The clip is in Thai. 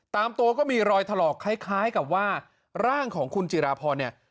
ตามตัวก็มีรอยถลอกคล้ายกับว่าร่างของคุณจิราพรเนี่ย